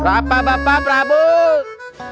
apa bapak prabut